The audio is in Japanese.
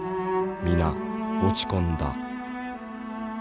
皆落ち込んだ。